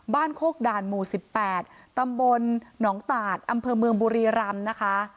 บ้านโคกดานหมู่สิบแปดตำบลหนองตาดอำเภอเมืองบุรีรัมน์นะคะ